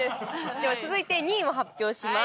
では続いて２位を発表します。